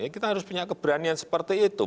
kita harus punya keberanian seperti itu